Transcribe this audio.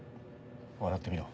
笑ってみろ。